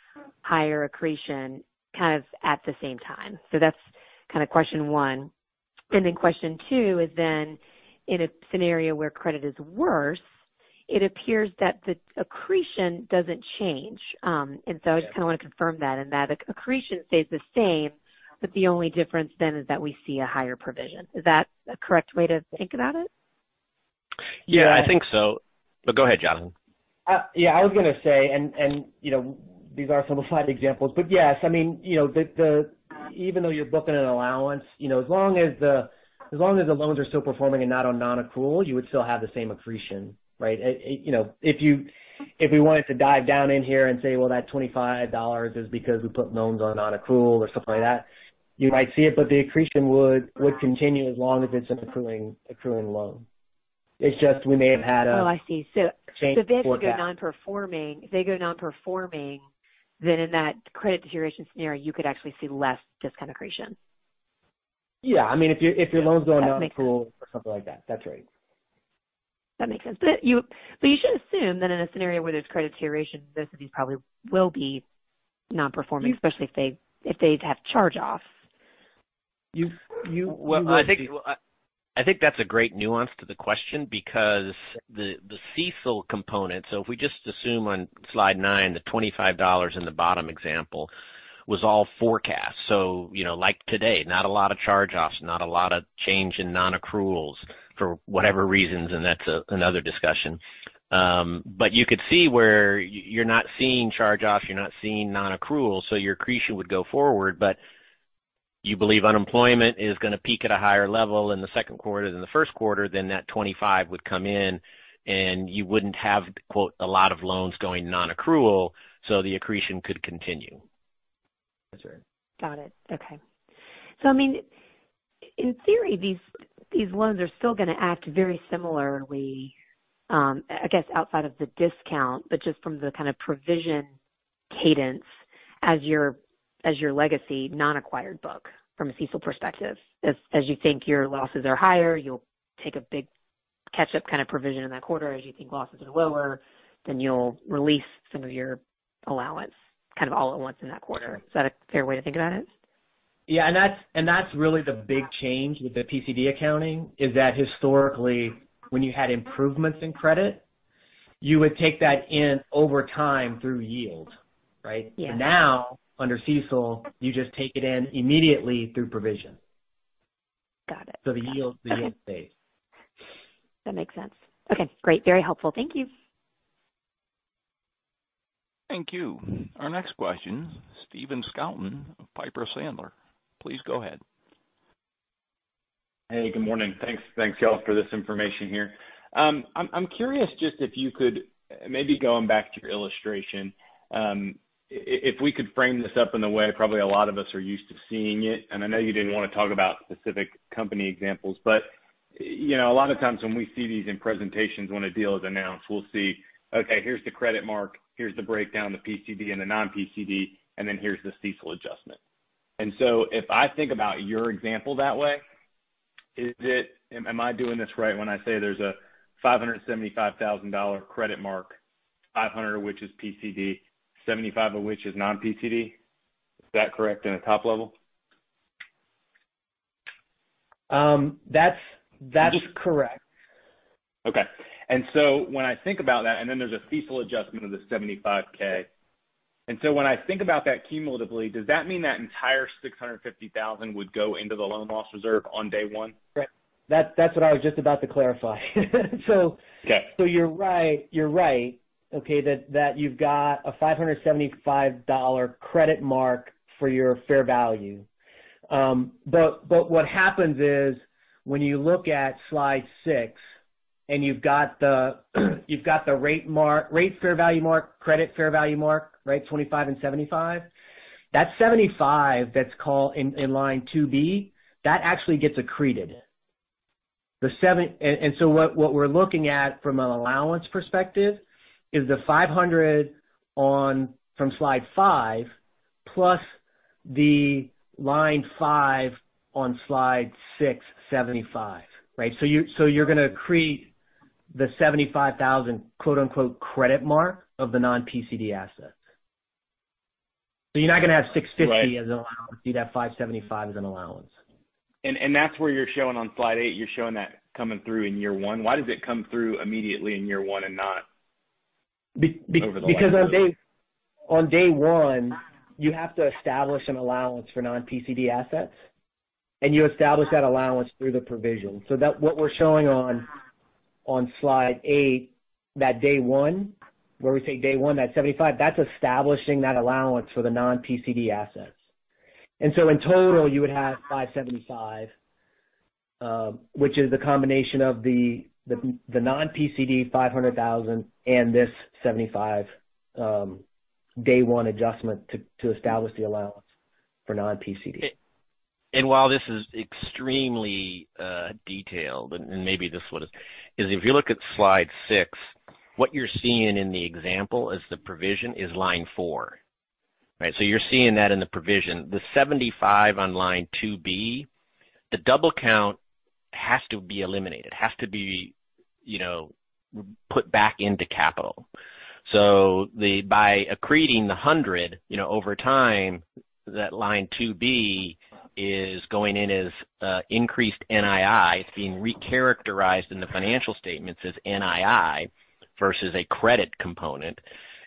higher accretion kind of at the same time. That's kind of question one. Question two is then, in a scenario where credit is worse, it appears that the accretion doesn't change. I just kind of want to confirm that, in that accretion stays the same, but the only difference then is that we see a higher provision. Is that a correct way to think about it? Yeah, I think so. Go ahead, Jonathan. Yeah. I was going to say, and these are simplified examples, but yes. Even though you're booking an allowance, as long as the loans are still performing and not on non-accrual, you would still have the same accretion, right? If we wanted to dive down in here and say, well, that $25 is because we put loans on non-accrual or something like that, you might see it, but the accretion would continue as long as it's an accruing loan. It's just, we may have had a- Oh, I see. change in forecast. If they go non-performing, then in that credit deterioration scenario, you could actually see less discount accretion. Yeah. If your loans go on non-accrual or something like that. That's right. That makes sense. You should assume that in a scenario where there's credit deterioration, most of these probably will be non-performing, especially if they have charge-offs. You- I think that's a great nuance to the question because the CECL component, if we just assume on slide nine, the $25 in the bottom example was all forecast. Like today, not a lot of charge-offs, not a lot of change in non-accruals for whatever reasons, and that's another discussion. You could see where you're not seeing charge-offs, you're not seeing non-accrual, your accretion would go forward. You believe unemployment is going to peak at a higher level in the second quarter than the first quarter, then that $25 would come in and you wouldn't have, quote, a lot of loans going non-accrual, the accretion could continue. That's right. Got it. Okay. In theory, these loans are still going to act very similarly, I guess outside of the discount, but just from the kind of provision cadence as your legacy non-acquired book from a CECL perspective. As you think your losses are higher, you'll take a big catch-up kind of provision in that quarter. As you think losses are lower, then you'll release some of your allowance, kind of all at once in that quarter. Is that a fair way to think about it? Yeah, that's really the big change with the PCD accounting, is that historically, when you had improvements in credit, you would take that in over time through yield. Right? Yeah. Now, under CECL, you just take it in immediately through provision. Got it. The yield stays. That makes sense. Okay, great. Very helpful. Thank you. Thank you. Our next question, Steven Scouten of Piper Sandler. Please go ahead. Hey, good morning. Thanks y'all for this information here. I'm curious just if you could, maybe going back to your illustration, if we could frame this up in the way probably a lot of us are used to seeing it. I know you didn't want to talk about specific company examples, but a lot of times when we see these in presentations when a deal is announced, we'll see, okay, here's the credit mark, here's the breakdown, the PCD and the non-PCD, and then here's the CECL adjustment. If I think about your example that way, am I doing this right when I say there's a $575,000 credit mark, $500,000 of which is PCD, $75,000 of which is non-PCD? Is that correct in a top level? That's correct. Okay. When I think about that, and then there's a CECL adjustment of the $75K. When I think about that cumulatively, does that mean that entire $650,000 would go into the loan loss reserve on day one? That's what I was just about to clarify. Okay. You're right, okay, that you've got a $575 credit mark for your fair value. What happens is, when you look at slide six, and you've got the rate fair value mark, credit fair value mark, right, $25 and $75. That $75 that's in line 2B, that actually gets accreted. What we're looking at from an allowance perspective is the $500 from slide five, plus the line 5 on slide six, $75, right? You're going to accrete the $75,000, quote unquote, credit mark of the non-PCD assets. You're not going to have $650 as an allowance. You'd have $575 as an allowance. That's where you're showing on slide eight, you're showing that coming through in year one. Why does it come through immediately in year one and not over the life of the loan? On day one, you have to establish an allowance for non-PCD assets, and you establish that allowance through the provision. What we're showing on slide eight, that day one, where we say day one, that $75, that's establishing that allowance for the non-PCD assets. In total, you would have $575, which is the combination of the non-PCD $500,000 and this $75 day one adjustment to establish the allowance for non-PCD. While this is extremely detailed, maybe this would if you look at slide six, what you're seeing in the example is the provision is line four. Right? You're seeing that in the provision. The 75 on line 2B, the double count has to be eliminated, has to be put back into capital. By accreting the 100, over time, that line 2B is going in as increased NII. It's being recharacterized in the financial statements as NII versus a credit component,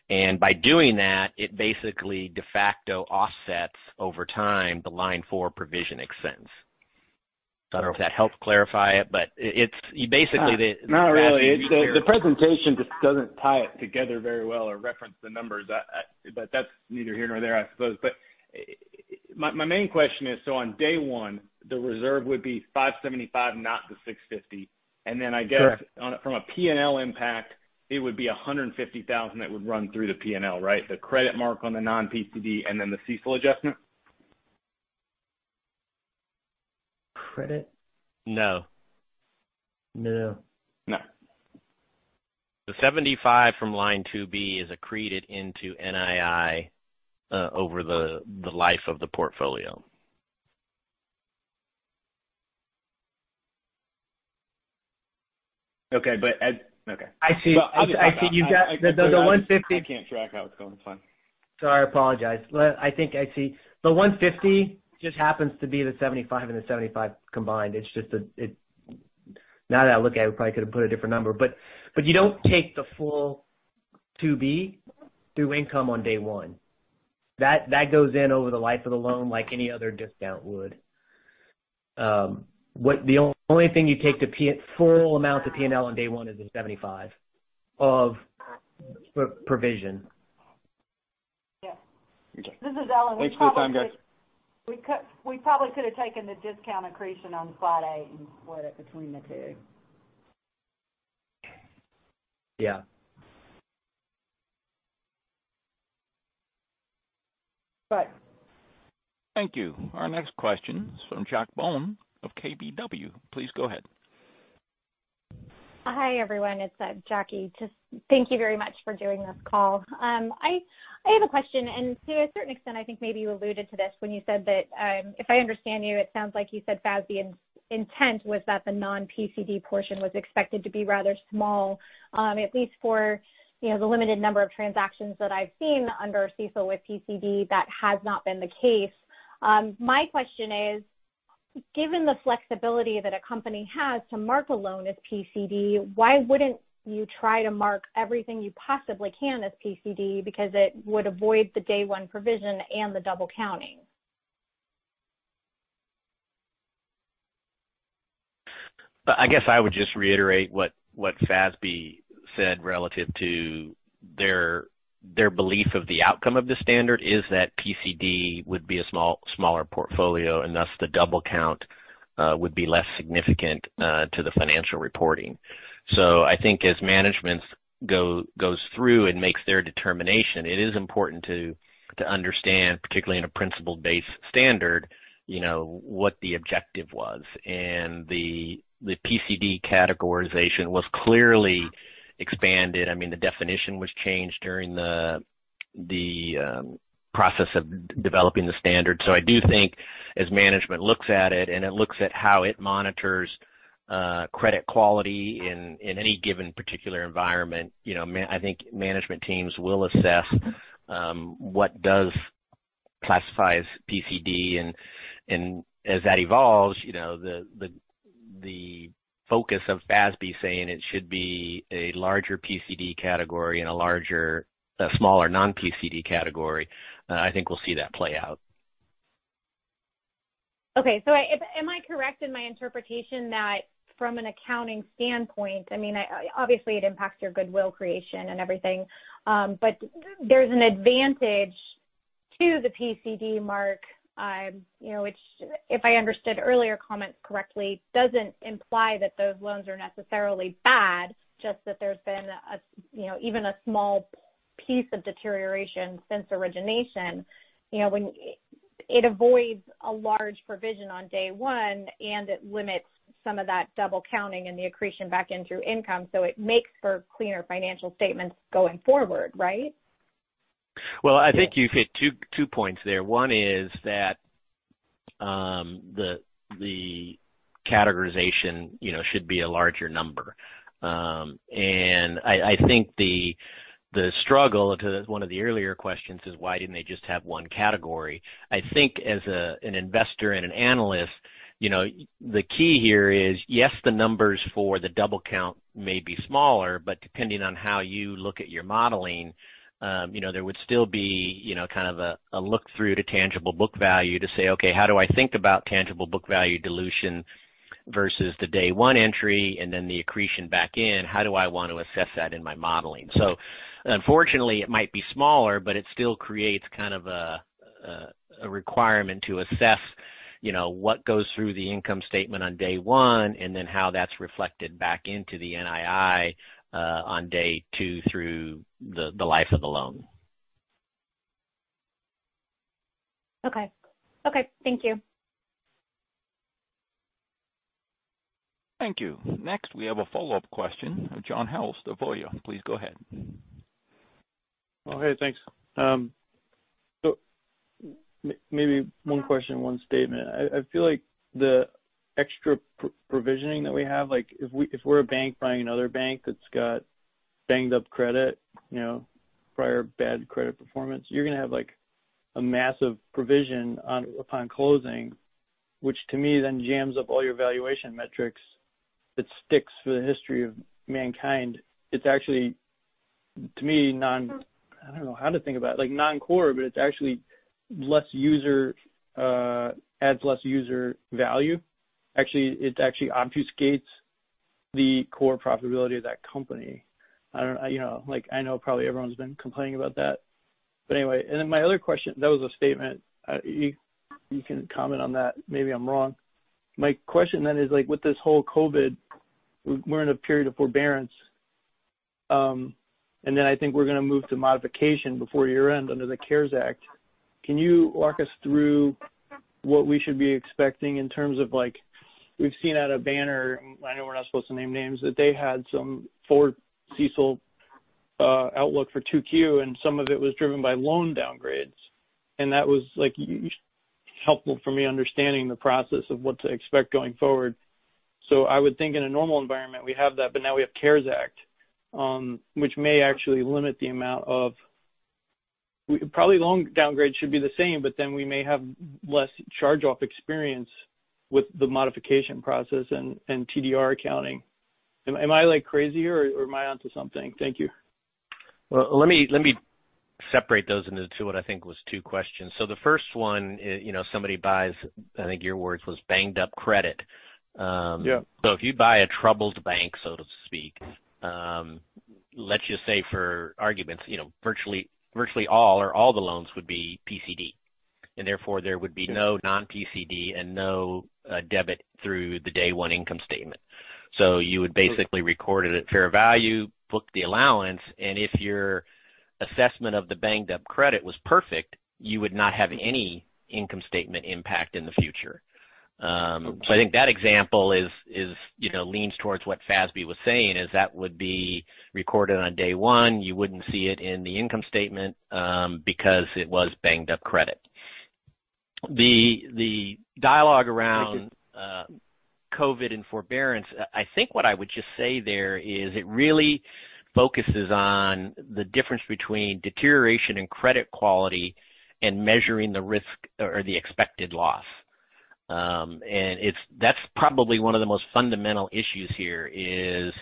and by doing that, it basically de facto offsets over time the line four provision expense. I don't know if that helps clarify it, but it's basically the. Not really. The presentation just doesn't tie it together very well or reference the numbers. That's neither here nor there, I suppose. My main question is, on day one, the reserve would be $575, not the $650. Correct. Then I guess from a P&L impact, it would be $150,000 that would run through the P&L, right? The credit mark on the non-PCD and then the CECL adjustment? Credit? No. No? No. The $75 from line 2B is accreted into NII over the life of the portfolio. Okay. I see. The 150- I can't track how it's going. It's fine. Sorry, I apologize. I think I see. The $150 just happens to be the $75 and the $75 combined. Now that I look at it, we probably could have put a different number. You don't take the full 2B through income on day one. That goes in over the life of the loan like any other discount would. The only thing you take the full amount to P&L on day one is the $75 of provision. Yes. Okay. This is Ellen. Thanks for the time, guys. We probably could have taken the discount accretion on spot A and split it between the two. Yeah. Bye. Thank you. Our next question is from Jacquie Bohlen of KBW. Please go ahead. Hi, everyone. It's Jacquie Bohlen. Thank you very much for doing this call. I have a question. To a certain extent, I think maybe you alluded to this when you said that, if I understand you, it sounds like you said, FASB intent was that the non-PCD portion was expected to be rather small. At least for the limited number of transactions that I've seen under CECL with PCD, that has not been the case. My question is, given the flexibility that a company has to mark a loan as PCD, why wouldn't you try to mark everything you possibly can as PCD because it would avoid the day one provision and the double counting? I guess I would just reiterate what FASB said relative to their belief of the outcome of the standard is that PCD would be a smaller portfolio, and thus the double count would be less significant to the financial reporting. I think as management goes through and makes their determination, it is important to understand, particularly in a principle-based standard, what the objective was. The PCD categorization was clearly expanded. The definition was changed during the process of developing the standard. I do think as management looks at it and it looks at how it monitors credit quality in any given particular environment, I think management teams will assess what does classify as PCD. As that evolves, the focus of FASB saying it should be a larger PCD category and a smaller non-PCD category, I think we'll see that play out. Am I correct in my interpretation that from an accounting standpoint, obviously it impacts your goodwill creation and everything, but there's an advantage to the PCD mark, which, if I understood earlier comments correctly, doesn't imply that those loans are necessarily bad, just that there's been even a small piece of deterioration since origination. It avoids a large provision on day one, and it limits some of that double counting and the accretion back in through income. It makes for cleaner financial statements going forward, right? Well, I think you hit two points there. One is that the categorization should be a larger number. I think the struggle to one of the earlier questions is why didn't they just have one category? I think as an investor and an analyst, the key here is, yes, the numbers for the double count may be smaller, but depending on how you look at your modeling, there would still be kind of a look-through to tangible book value to say, "Okay, how do I think about tangible book value dilution versus the day one entry and then the accretion back in? How do I want to assess that in my modeling? Unfortunately, it might be smaller, but it still creates kind of a requirement to assess what goes through the income statement on day one and then how that's reflected back into the NII on day two through the life of the loan. Okay. Thank you. Thank you. Next, we have a follow-up question from [John Halse] of Voya. Please go ahead. Okay, thanks. Maybe one question, one statement. I feel like the extra provisioning that we have, if we're a bank buying another bank that's got banged up credit, prior bad credit performance, you're going to have a massive provision upon closing, which to me then jams up all your valuation metrics that sticks for the history of mankind. It's actually, to me, I don't know how to think about it, like non-core, but it adds less user value. It obfuscates the core profitability of that company. I know probably everyone's been complaining about that, but anyway. My other question, that was a statement. You can comment on that. Maybe I'm wrong. My question then is with this whole COVID, we're in a period of forbearance, and then I think we're going to move to modification before year-end under the CARES Act. Can you walk us through what we should be expecting in terms of, we've seen out of Banner, I know we're not supposed to name names, that they had some forward CECL outlook for 2Q, and some of it was driven by loan downgrades, and that was helpful for me understanding the process of what to expect going forward. I would think in a normal environment, we have that, but now we have CARES Act, which may actually limit the amount of Probably loan downgrade should be the same, but then we may have less charge-off experience with the modification process and TDR accounting. Am I crazy or am I onto something? Thank you. Well, let me separate those into what I think was two questions. The first one, somebody buys, I think your words was banged up credit. Yeah. If you buy a troubled bank, so to speak, let's just say for arguments, virtually all or all the loans would be PCD, and therefore there would be no non-PCD and no debit through the day one income statement. You would basically record it at fair value, book the allowance, and if your assessment of the banged up credit was perfect, you would not have any income statement impact in the future. I think that example leans towards what FASB was saying, is that would be recorded on day one. You wouldn't see it in the income statement because it was banged up credit. The dialogue around COVID and forbearance, I think what I would just say there is it really focuses on the difference between deterioration in credit quality and measuring the risk or the expected loss. That's probably one of the most fundamental issues here is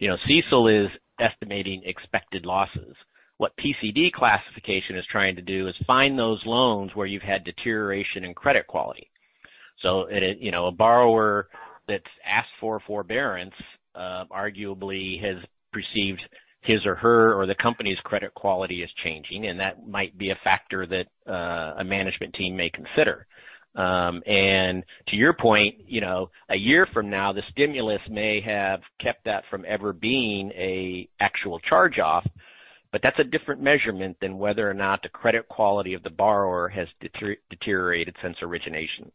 CECL is estimating expected losses. What PCD classification is trying to do is find those loans where you've had deterioration in credit quality. A borrower that's asked for forbearance arguably has perceived his or her or the company's credit quality is changing, and that might be a factor that a management team may consider. To your point, a year from now, the stimulus may have kept that from ever being an actual charge-off, but that's a different measurement than whether or not the credit quality of the borrower has deteriorated since origination.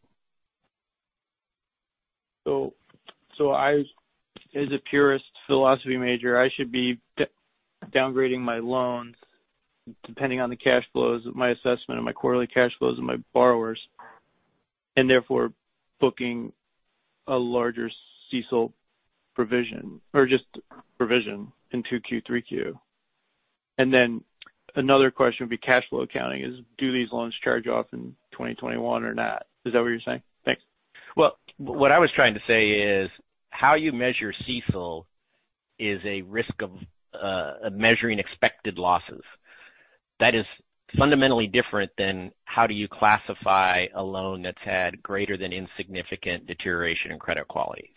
As a purist philosophy major, I should be downgrading my loans depending on the cash flows of my assessment and my quarterly cash flows of my borrowers, and therefore booking a larger CECL provision or just provision in 2Q, 3Q. Another question would be cash flow accounting is, do these loans charge off in 2021 or not? Is that what you're saying? Thanks. What I was trying to say is how you measure CECL is a risk of measuring expected losses. That is fundamentally different than how do you classify a loan that's had greater than insignificant deterioration in credit quality.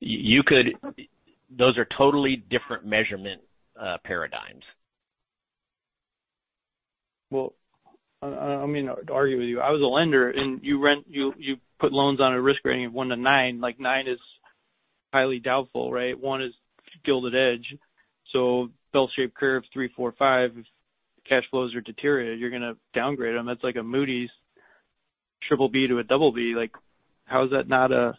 Those are totally different measurement paradigms. I don't mean to argue with you. I was a lender, and you put loans on a risk rating of one to nine, like nine is highly doubtful, right? One is gilt-edged. Bell-shaped curve three, four, five. If cash flows are deteriorated, you're going to downgrade them. That's like a Moody's triple B to a double B. How is that not a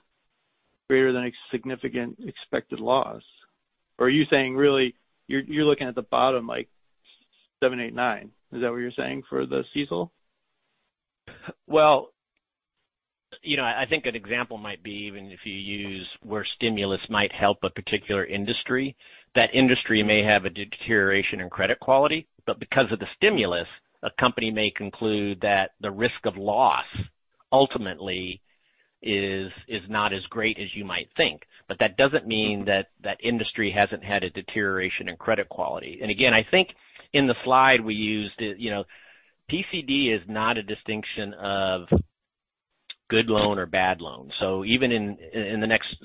greater than a significant expected loss? Are you saying really you're looking at the bottom like seven, eight, nine? Is that what you're saying for the CECL? Well, I think an example might be even if you use where stimulus might help a particular industry, that industry may have a deterioration in credit quality, but because of the stimulus, a company may conclude that the risk of loss ultimately is not as great as you might think. That doesn't mean that that industry hasn't had a deterioration in credit quality. Again, I think in the slide we used, PCD is not a distinction of good loan or bad loan. Even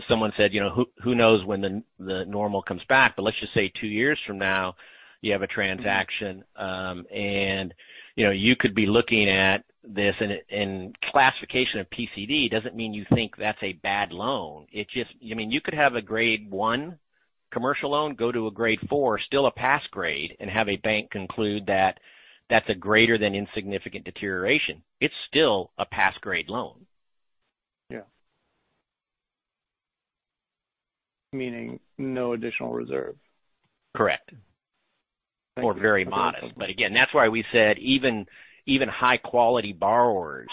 someone said, who knows when the normal comes back, but let's just say two years from now you have a transaction, and you could be looking at this and classification of PCD doesn't mean you think that's a bad loan. You could have a grade 1 commercial loan go to a grade 4, still a pass grade, and have a bank conclude that that's a greater than insignificant deterioration. It's still a pass grade loan. Yeah. Meaning no additional reserve? Correct. Thank you. Very modest. Again, that's why we said even high-quality borrowers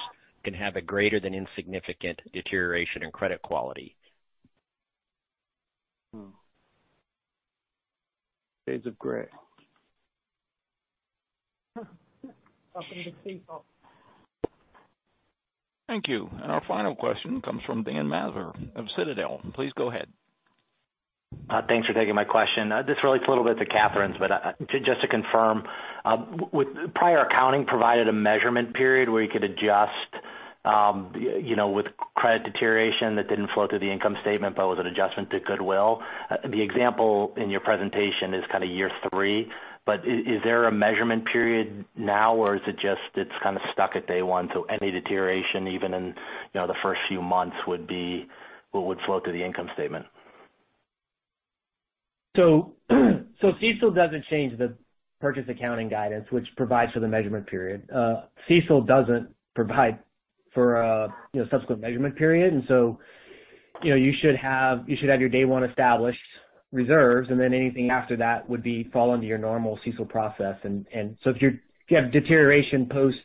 can have a greater than insignificant deterioration in credit quality. Shades of gray. Welcome to CECL. Thank you. Our final question comes from Dan Mather of Citadel. Please go ahead. Thanks for taking my question. This relates a little bit to Catherine's, but just to confirm, with prior accounting provided a measurement period where you could adjust, with credit deterioration that didn't flow through the income statement but was an adjustment to goodwill. The example in your presentation is kind of year three, but is there a measurement period now, or is it just, it's kind of stuck at day one, so any deterioration, even in the first few months would flow through the income statement? CECL doesn't change the purchase accounting guidance, which provides for the measurement period. CECL doesn't provide for a subsequent measurement period, and so you should have your day one established reserves, and then anything after that would fall under your normal CECL process. If you have deterioration post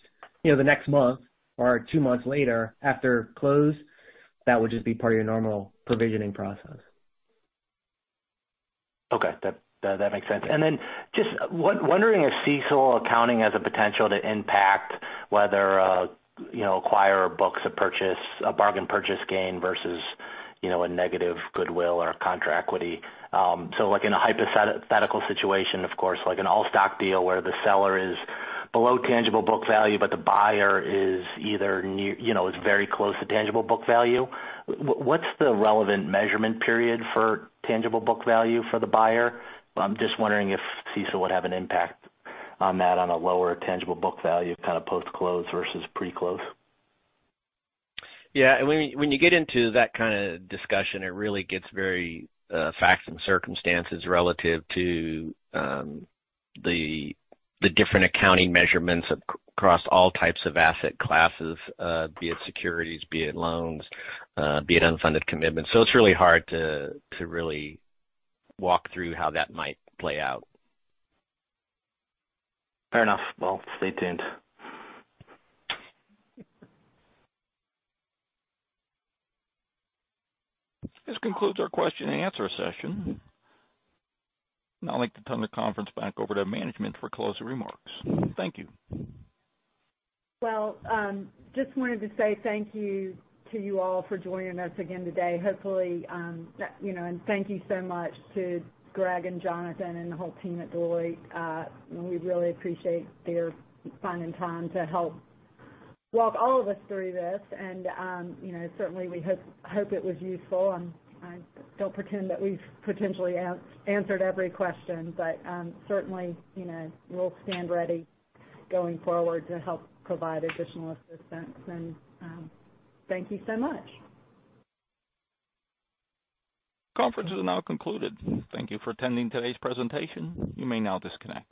the next month or two months later, after close, that would just be part of your normal provisioning process. Okay. That makes sense. Just wondering if CECL accounting has a potential to impact whether an acquirer books a bargain purchase gain versus a negative goodwill or a contra equity. Like in a hypothetical situation, of course, like an all-stock deal where the seller is below tangible book value, but the buyer is very close to tangible book value. What's the relevant measurement period for tangible book value for the buyer? I'm just wondering if CECL would have an impact on that on a lower tangible book value, kind of post-close versus pre-close. Yeah. When you get into that kind of discussion, it really gets very fact and circumstances relative to the different accounting measurements across all types of asset classes, be it securities, be it loans, be it unfunded commitments. It's really hard to really walk through how that might play out. Fair enough. Well, stay tuned. This concludes our question and answer session. Now I'd like to turn the conference back over to management for closing remarks. Thank you. Well, just wanted to say thank you to you all for joining us again today. Hopefully, and thank you so much to Greg and Jonathan and the whole team at Deloitte. We really appreciate their finding time to help walk all of us through this, and certainly, we hope it was useful, and I don't pretend that we've potentially answered every question, but, certainly, we'll stand ready going forward to help provide additional assistance and thank you so much. Conference is now concluded. Thank you for attending today's presentation. You may now disconnect.